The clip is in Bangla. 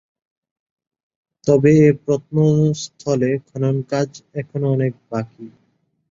তবে এ প্রত্নস্থলে খনন কাজ এখনও অনেক বাকি।